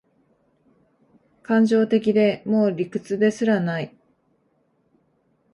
感情的で、もう理屈ですらない